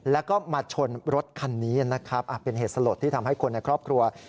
แล้วก็มาชนรถคันนี้นะครับ